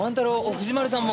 藤丸さんも！